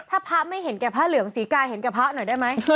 ถ้าภาพไม่เห็นแก่ภาพเหลืองสีกายเห็นแก่ภาพหน่อยได้ไหม